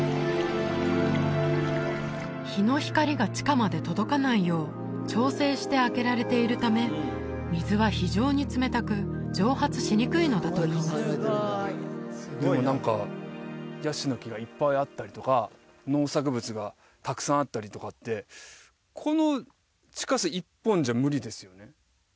日の光が地下まで届かないよう調整してあけられているため水は非常に冷たく蒸発しにくいのだといいますでも何かヤシの木がいっぱいあったりとか農作物がたくさんあったりとかってこの地下水１本じゃ無理ですよね？